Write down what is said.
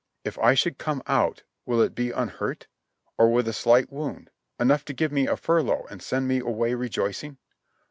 If I should come out, will it be unhurt; or with a slight W'ound, enough to give me a furlough and send me av/ay rejoic ing?